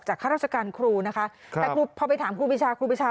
จากฆ่ารักษาการครูนะคะแต่ครูพอไปถามครูปรีชา